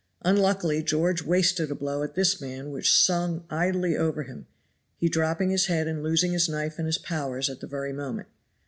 Unluckily George wasted a blow at this man which sung idly over him, he dropping his head and losing his knife and his powers at the very moment.